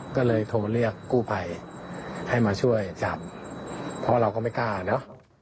ก็เลยโทรเรียกกู้ภัยให้มาช่วยจับเพราะเราก็ไม่กล้าเนอะ